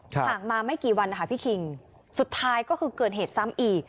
ห่างมาไม่กี่วันนะคะพี่คิงสุดท้ายก็คือเกิดเหตุซ้ำอีก